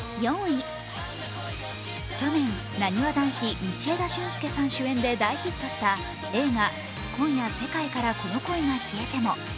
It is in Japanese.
去年、なにわ男子・道枝駿佑さん主演で大ヒットした映画「今夜、世界からこの恋が消えても」。